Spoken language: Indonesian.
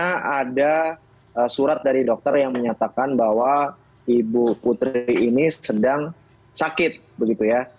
karena ada surat dari dokter yang menyatakan bahwa ibu putri ini sedang sakit begitu ya